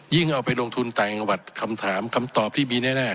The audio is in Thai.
เอาไปลงทุนต่างจังหวัดคำถามคำตอบที่มีแน่